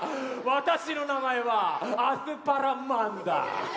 私の名前はアスパラマンだ！